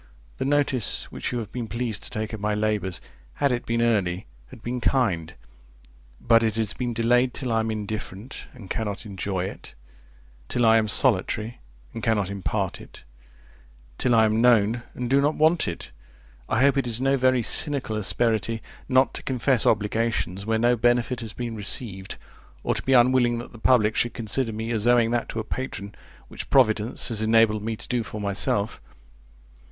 The notice which you have been pleased to take of my labours, had it been early, had been kind; but it has been delayed till I am indifferent, and cannot enjoy it: till I am solitary, and cannot impart it; till I am known, and do not want it. I hope it is no very cynical asperity not to confess obligations where no benefit has been received, or to be unwilling that the public should consider me as owing that to a patron, which providence has enabled me to do for myself.